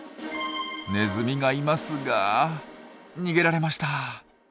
ネズミがいますが逃げられました。